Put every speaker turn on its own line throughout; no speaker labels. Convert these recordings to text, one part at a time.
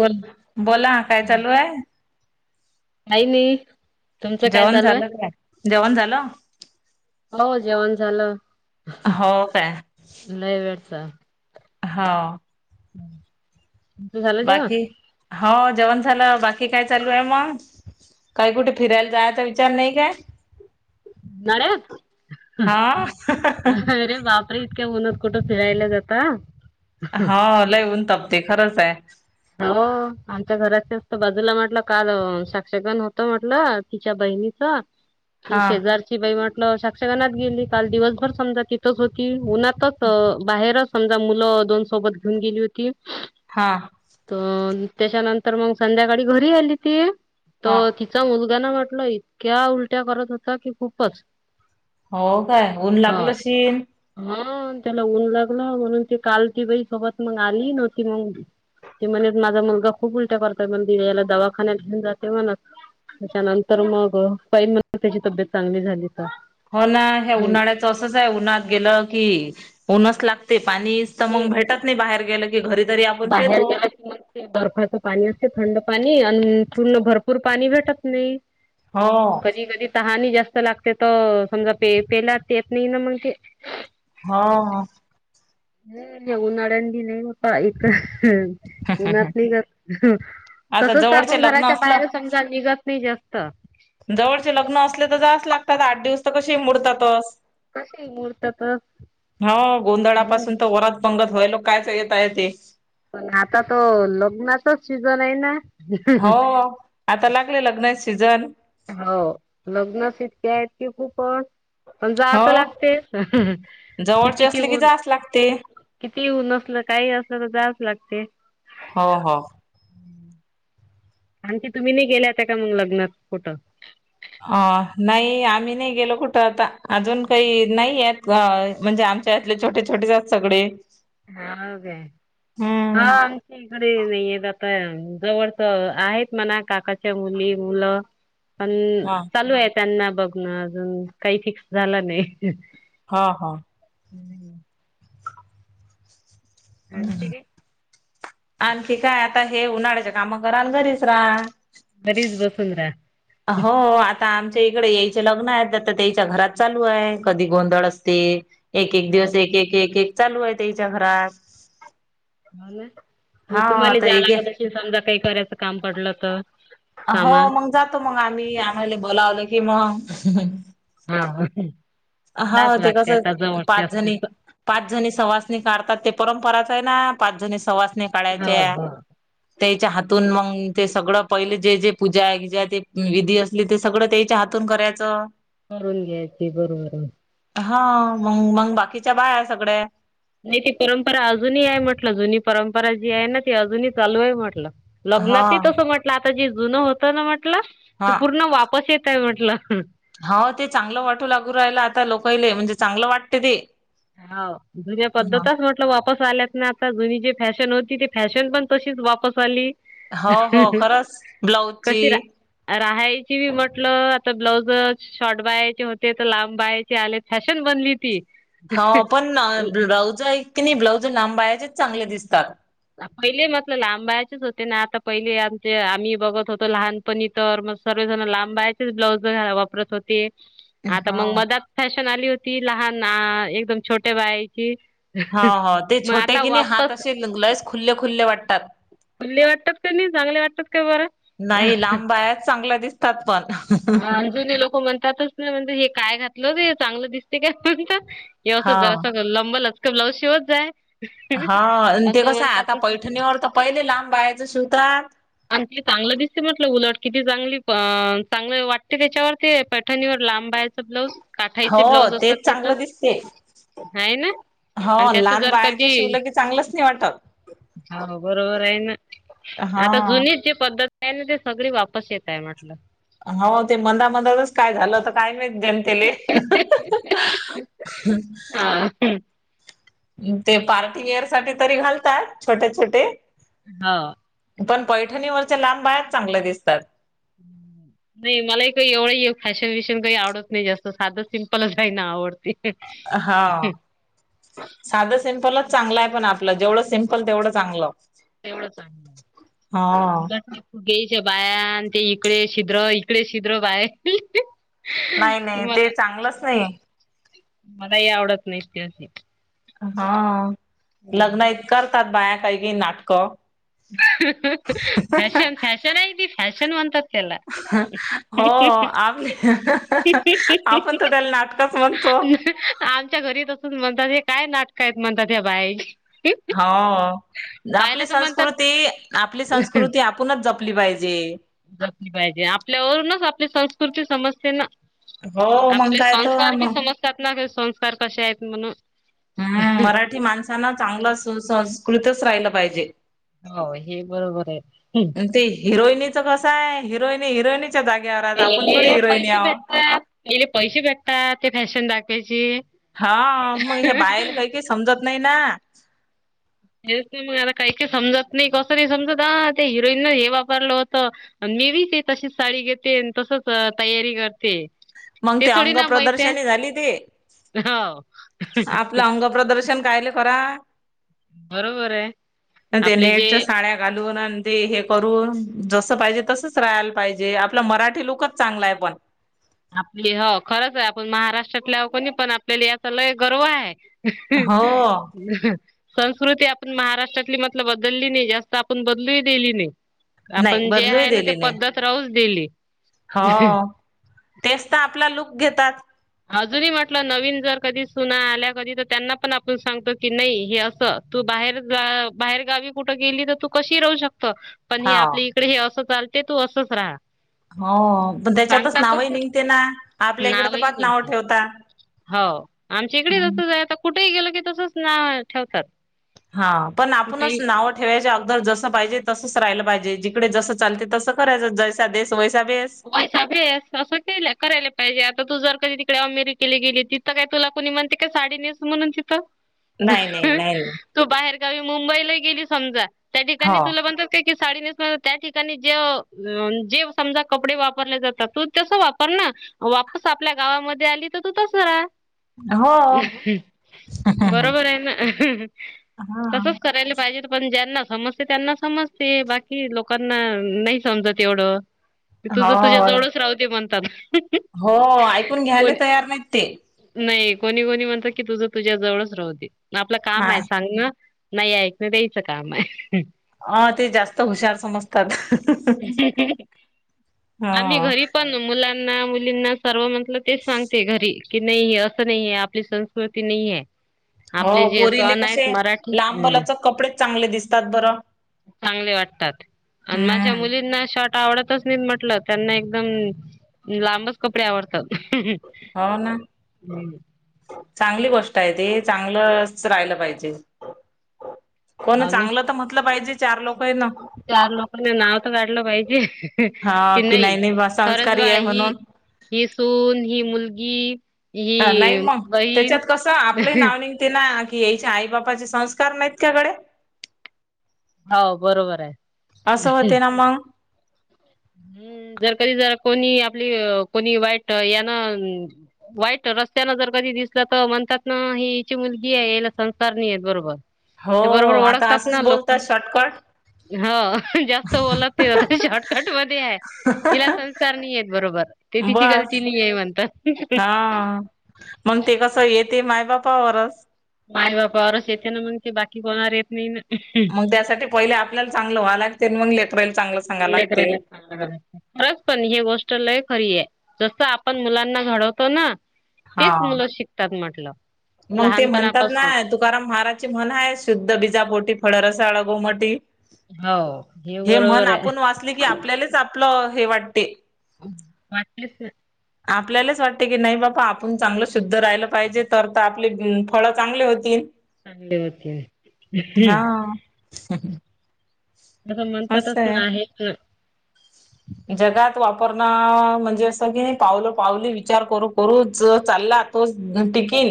बोल. बोला काय चालू ए?
काही नाही. तुमचं काय
जेवण
चालू आहे?
झालं काय? जेवण झालं?
हो जेवण झालं.
हो काय?
लई वेळच.
हां.
हम्.
बाकी? हो जेवण झालं. बाकी काय चालू आहे मग? काही कुठे फिरायला जायचा विचार नाही का?
[unintelligible] अरे बाप- अरे इतक्या उन्हात कुठं फिरायला जाता?
हा. लय ऊन तापते खरंच आहे.
हो. आमच्या घराच्याच त बाजूला म्हटलं काल साक्षीगण होत म्हटलं. तिच्या बहिणी- -च. ती
हा
शेजारची बाई म्हटलं साक्षगनात गेली. काल दिवसभर समजा तिथंच होती उन्हात. -तच. बाहेरच समजा मुलं दोन सोबत घेऊन गेली होती.
हां.
त त्याच्यानंतर मग संध्याकाळी घरी आली ती.
हा.
तर तिचा मुलगाना म्हटलं इतक्या उलट्या करत होता, की खूपच.
हो काय? ऊन लागल आशीन.
हं. त्याला ऊन लागलं म्हणून काल ती बाई सोबत आलीही नव्हती मंग. ती म्हणेत, माझा मुलगा खूप उलट्या करतोय म्हण, दि याला दवाखान्यात घेऊन जाते म्हणत. त्याच्यानंतर मग पाहील म्हण त्याची तब्येत चांगली झाली तर.
हो ना, ह्या उन्हाळ्याचं असंच आहे, उन्हळात गेलं की, ऊन्हच लागत ते पाणीच त
ते
मग भेटत नाही बाहेर गेलं की, घरी तरी आपण
बाहेर
पेतो.
गेला की मग ते बर्फाच पाणी असते, थंड पाणी, अन पूर्ण भरपूर पाणी भेटत नाही.
हो
कधी कधी तहान ही जास्त लागते त समजा, पे पेलाच येत नाही ना मग ते.
हा.
हं. हे ऊन्हाळ्यान दिन लय होतं. ह इथ उन्हात नाही जात.
आता
तसच तर आपण
जवळचे लग्न
घराच्या
असलं
बाहेर स जा निघत नाही जास्त.
जवळच लग्न असले तर जावच लागतात, आठ दिवस तर कसेही मोडतातच.
कशीही मोडतातच.
हो गोंधळापासून तर वरात पंगत व्हायलोक कायचे येता येते.
पण आता तो, लग्नाचाच सीझन आहे ना.
हो, आता लागले लग्नाचे सीझन.
हो, लग्नच इतके आहेत की, खूप अण जाव
हो.
त लागतेच,
जवळचे
कितीकही
असले की
ऊन
जाच लागते
किती ही ऊन आसल, काही असलं तर जावच लागते.
हो हो.
आणखी तुम्ही नाही गेल्या होत्या का मग लग्नात कुठं?
अ नाही आम्ही नाही गेलो कुठं आता. अजून काही नाही आहेत, म्हणजे आम त्यातले छोटे छोटेच आहेत सगळे.
हाऊ काय?
हा
हो. इकडे नाहीयेत आता. जवळच आहेत म्हणा काकाच्या मुली मुलं, पण चालूये त्यांना बघण अजून, काही फिक्स झालं नाही.
हा हा.
हं. आणखी
हं.
काय?
आणखी काय आता हे, उन्हाळ्याच्या काम कराल घरीच रा.
घरीच बसुन रा.
हो, आता आमच्या इकडे यायचे लग्न आहे, ता त्यायच्या घरात चालू आहे, कधी गोंधळ असते, एक एक
हो
दिवस
का
एक एक एक एक चालु हाय त्यायच्या घरात.
हो ना?
हा
मग तुम्हाले
आता
जायला
एक एक
लागत आसेल. समजा काही करायचं काम पडलं तर.
हो
सामान
मग, जातो मग आम्ही, आम्हाला बोलावलं की मग.
हा. [unintelligible]
हा.
जाच
ते
लागते
कसं
आता जवळचे
पाच
असले
जणी पाच जणी सवासणी काढतात. ते परंपराच आहे ना, पाच जणी सवासणी
हो
काढायच्या.
हो
त्यायच्या हातून मग ते सगळं पहिले जे जे पूजा बीजा, ते विधी अस तील ते सगळं त्यायच्या हातून करायचं.
करून घ्यायची बरोबर आहे.
हा मंग मंग बाकीच्या बाया सगळ्या.
नाही ती परंपरा अजूनही आहे म्हटलं. जुनी परंपरा जी आहे ना ती अजूनही चालू आहे म्हटलं.
हा
लग्नातही तसं म्हटलं, आता जे जुन होतं ना म्हटलं ते
हा
पूर्ण वापस येतय म्हटलं.
हाव. ते चांगलं वाटू लागू राहिल आता लोकायले. म्हणजे चांगलं वाटत ते.
हाव. जुन्या पद्धतच वापस आल्यात ना आता जुनी जी फॅशन होती ती फॅशन पण तशीच वापस आली.
हो हो खरच ब्लाऊजची
कशी रा राहायची बी म्हटलं आता ब्लाउजच शॉर्ट बाह्याचे होते तर लांब बाह्यांचे आले फॅशन बनली ती.
हाव पण ब्लाउज आहेत की नी ब्लाउज लांब बाह्यांचेच चांगले दिसतात.
पहिले म्हटलं लांब बाह्याचेच होते ना आता पहिले आमचे आम्ही बघत होतो लहान पनी तर मग सर्व जण लांब बाह्याचेच ब्लाउज वापरत होते. आता मग
हाव.
मधात फॅशन आली होती लहान आ एकदम छोट्या बाह्यांची.
हो हो ते छोट्या की नाय हात असे लयच खुल्ले खुल्ले वाटतात.
खुल्ले वाटतात का नाही चांगले वाटतात का बर?
बाह्याच चांगला दिस तात पण.
हा जुनी लोक म्हणतातच ना म्हणजे काय घातलं ते चांगलं दिसतय काय म्हणतात? हे अस
हा
जरास लंबलचक ब्लाऊज शिवत जाय.
हा ते
असं
कसं आता
म्हणतातच.
पैठणीवर तर पहिले लांब बाह्याच शीवतात
आणखी चांगलं दिसते म्हटलं उलट किती चांगली चांगलं वाटते त्याच्यावरती पैठणीवर लांब बाह्याचे. ब्लाऊज
हो
काठायचे ब्लाउज असतात
तेच
तिथं.
चांगलं दिसते.
हाय ना
हो
आणि त्याच
लहान
जर
बायाचं
कधी
शिवलं की चांगलंच नाही वाटत.
हाव बरोबर आहे ना आता
हा.
जुनी जी पद्धत आहे ना ते सगळी वापस येत आहे म्हटलं.
हो ते मधा मधालेच काय झालं होतं काय माहीत जनतेले. [unintelligible]
हा.
ते पार्टी व्हेअर साठी तरी घालतात छोटे छोटे
हाव.
पण पैठणीवरच्या लांब बाह्यांच चांगल्या दिसतात. [inaudible]
नाही मलाही काही एवढं फॅशन भिषण काही आवडत नाही, जास्त साधं सिम्पलच रायला आवडतय.
हा. साधं सिम्पलच चांगलं आहे. पण आपलं जेवढं सिम्पल तेवढं चांगलं.
तेवढं चागलं
हा
उलट ते. केइच्या बाह्यां ते इकडे शिद्र इकडे शिद्र बाय
नाही नाही ते चांगलंच नाही.
मला ही आवडत नाहीत ते अशी.
हा लग्नात करतात बाया काही काही नाटकं.
फॅशन फॅशन आहे ती फॅशन म्हणतात. त्याला.
हो आप आपण तर त्यांना [unintelligible]
आमच्या घरी तर तुम्ही म्हणताल हे काय नाटक आहेत म्हणतात ह्या बायाची.
हो
पाहिलं
आपली
तर म्हणतात
संस्कृती आपली संस्कृती ती आपुनच जपली पाहिजे.
पाहिजे आपल्यावरूनच आपली संस्कृती समजते ना.
हो मग
आपल
काय तर
सस्कांर
मग.
समजतात ते संस्कार कशे आहेत म्हणून?
हम्म मराठी माणसांना चांगलं सुसंंस्कृतच राहिलं पाहिजे.
हो हे बरोबर आहे हुम
अन ते हिरोईनीचं कसं आहे, हिरोईन हिरोईनी च्या जाग्यावर आहेत, आपण थोडी हिरोईन आहो
हिले पैसे भेटतात, ते फॅशन दाखवायचे
हा मग, हे बायाला काही काही समजत नाही ना
हेच नाही, मग काहीक समजत नाही, कसं नाही समजत, आ ते हिरोईनन हे वापरलं होतं आणि मी बी ते तशीच साडी घेते, आणि तसच अ तयारी करते
मग ते अंग प्रदर्शनी झाली ती
ते हौ
आपलं अंग प्रदर्शन काहीले करा?
बरोबर आहे
ते
आपले जे
नेटच्या साड्या घालून आण ते हे करून, जसं पाहिजे तसच राहायला पाहिजे, आपला मराठी लुकच चांगला आहे पण
आपली हो, खरंच आहे, आपण महाराष्ट्रातल्या, कोणी पण, आपल्याला याचा लय गर्व आहे
हो
[inaudible] संस्कृती आपण महाराष्ट्रातली, म्हटलं बदलली नाही जास्त, आपण बदलु ही दिली नाही
नाही
आपण जे
बदलूही
आहे ना, ते
दिली नाही
पद्धत राहूच दिली
हो, तेच तर आपला लुक घेतात
अजूनही म्हटलं, नवीन जर कधी सुना आल्या कधी, तर त्यांना पण आपण सांगतो की नाही हे असं तू बाहेर ग बाहेर गावी कुठं गेली तर, तू कशीही राहू शकतं पण हे
हा
आपली इकडे हे असं चालते, तू असंच राहा
हो, पण त्याच्यातच नावही निघते ना, आपल्या इकडे तर
नावही
पाक ना
निघते.
ठेवतात.
हो, आमच्या इकडे जस आता की तसंच ना ठेवतात
हा पण आपणच
कुठेही
नावं ठेवायच्या अगोदर जसं पाहिजे तसंच राहिला पाहिजे, जिकडे जसं चालते तसं करायचं, जैसा देस वैसा बेस
व्हैसा भेस असंच करायला पाहिजे. आता तू जर कधी तिकडे अमेरिकेला गेली, तीथ काय, तुला कुणी म्हणते का साडी नेस म्हणून तिथं
नाही नाही नाही नाही
तू बाहेरगावी मुंबईला गेली, समजा, त्या ठिकाणी
हो
तुला म्हणतात ते के साडी नेसणार त्या ठिकाणी, ज जे समजा कपडे वापरले जातात, तू तस वापर ना, वापस आपल्या गावामध्ये आली तर तू तस राहा
हो
[inaudible] बरोबर आहे ना [inaudible]
हा
तसंच करायला पाहिजे, पण ज्यांना मग ते त्यांना समजते, बाकी लोकांना नाही समजत एवढं तुझं
हो
तुझ्याजवळच राहू दे, म्हणतात [inaudible]
हो, ऐकून घ्यायला
कोणी
तयार नाहीत ते
नाही, कोणी कोणी म्हणतात की तुझं तुझ्या जवळच राहू दे, आपलं काम आहे सांगणं नाही ऐकल द्यायचं काम आहे [inaudible]
अ ते जास्त हुशार समजतात. [inaudible]
आम्ही
हा
घरी पण मुलांना-मुलींना सर्व म्हटलं तेच सांगते, घरी की नाही आहे असं नाही आहे आपली संस्कृती नाही आहे
हो,
आपले जे
पोरींना
सण आहेत
कसे
मराठी हम्म
लांब-लचक कपडेच चांगले दिसतात, बरं
चांगले वाटतात आणि माझ्या
हम्म
मुलींना शॉर्ट आवडतच नाही, म म्हटलं त्यांना एकदम लांबच कपडे आवडतात. [inaudible]
हो ना
हो
चांगली गोष्ट आहे ते चांगलंच राहिलं पाहिजे हो ना, चांगलं तर म्हटलं पाहिजे, चार लोक आहेत ना
चार लोकांनी नाव तर काढलं पाहिजे
हा
कि
की
नाही
बा
खरंच
संस्कारी आहे
बाय ही,
म्हणून
ही सून ही मुलगी
अ नाही
ही
मग,
बहीण
त्याच्यात कसं आपलं ही नाव नई ते ना की यिच्या आई बापाचे संस्कार नाहीत का गडे.
हाव बरोबर आहे.
असं होते ना मग.
हम्म, जर कधी जर कोणी आपली अ कोणी वाईट यान वाईट रस्त्यान जर कधी दिसलं तर म्हणतात ना ही हिची मुलगीये हिला संस्कार नाहीयेत बरोबर.
हो
ते बरोबर
आता
ओळखतात ना
असंच
लोकं.
बोलतात शॉर्टकट
हो जास्त बोलत ते शॉट कट मध्ये आहे इला संस्कार नही येत बरोबर ते तिची गलती
बस
नहीय म्हणतात.
मंग ते कसं येते माय बापावरचं.
माय बापावरच येतेना मंग ते बाकी कोणावर येत नही ना.
मंग त्यासाठी पहिले आपल्याला चांगलं व्हा लागते न मंग लेकरायला चांगलं सांगाय
अन
लागते
लेकरायला हा खरंच, बस पण ही गोष्ट लय खरीये जसं आपण मुलांना घडवतो ना तेच मुलं शिकतात म्हटलं.
मंग ते म्हणतात ना
लहानपणापासून.
तुकाराम महाराजची म्हण हाय शुद्ध बिजा पोटी फळ रसाळ गोमटी.
हो
हे म्हण
बरोबर आहे.
आपुण वाचले की आपल्यालाच आपलं हे वाटते.
उ वाटलेच से
आपल्यालाच वाटते की नाही बाप्पा आपुण चांगलं शुद्ध राहिलं पाहिजेत. तर त आपले उम फळ चांगले होतील.
चांगले होतील. हम्म
हां.
असं म्हणतातच तर आहेच
जगात वापरणं म्हणजे असं की पावलो पावली विचार करू करूच चाललात. तोच देवुन टाक की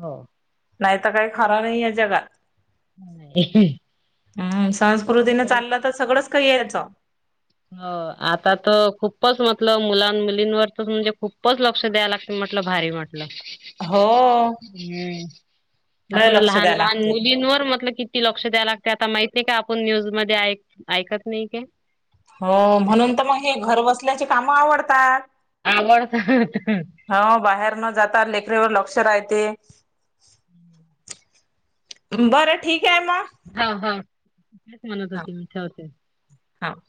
हो.
नाही तर काय खरा नाही या जगात.
नाही ही ही.
हम्म संस्कृतीन चाललं तर सगळंच काही यायचं.
हो आता तर खूपच म्हटलं मुलां मुलींवरती त म्हणजे खूपच लक्ष द्याय लागते म्हटलं भारी म्हट ला.
हो
हम्म,
लय
आता तर
लक्ष
लहान
द्याय
लहान
लागते.
मुलींवर मटल कि कि लक्ष द्याय लागते आता माहित नाही का आपण न्यूज मध्ये ऐक ऐकत नही काय?
हो म्हणून तर मग हे घर बसल्याचे कामं आवडतात.
आवडतं ह ह
हो बाहेर न जाता लेकरवर लक्ष रायते. बरं ठीकं मग.
हा ह तेच म्हणत होते मी जाउदे
हाव.